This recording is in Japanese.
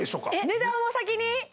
値段を先に？